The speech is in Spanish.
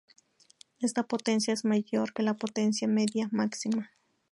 Esta potencia es mayor que la potencia media máxima.